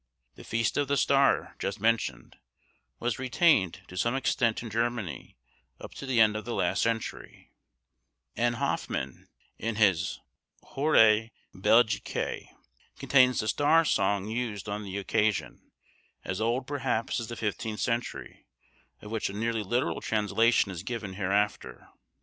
The Feast of the Star, just mentioned, was retained to some extent in Germany up to the end of the last century; and Hoffman, in his 'Horæ Belgicæ,' contains the Star song used on the occasion, as old perhaps as the fifteenth century, of which a nearly literal translation is given hereafter.